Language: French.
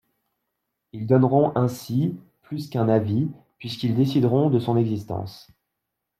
Ils donneront ainsi plus qu’un avis, puisqu’ils décideront de son existence.